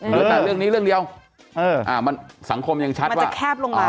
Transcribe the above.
หรือตัดเรื่องนี้เรื่องเดียวเอออ่ามันสังคมยังชัดว่ามันจะแคบลงมา